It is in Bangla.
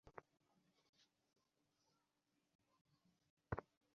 সেবার তো তুমিই ফেলতে বলেছিলে।